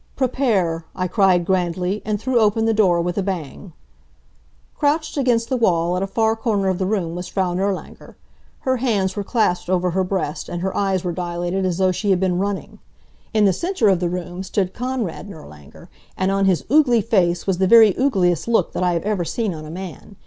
"Prepare!" I cried grandly, and threw open the door with a bang. Crouched against the wall at a far corner of the room was Frau Nirlanger. Her hands were clasped over her breast and her eyes were dilated as though she had been running. In the center of the room stood Konrad Nirlanger, and on his oogly face was the very oogliest look that I have ever seen on a man.